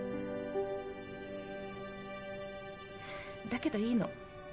だけどいいの。